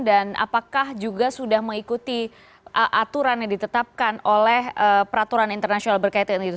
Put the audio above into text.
dan apakah juga sudah mengikuti aturan yang ditetapkan oleh peraturan internasional berkaitan itu